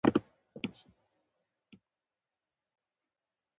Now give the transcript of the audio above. د ډوډۍ او چایو وروسته کور ته ولاړ.